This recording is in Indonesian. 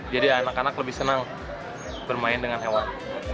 jadi anak anak lebih senang bermain dengan hewan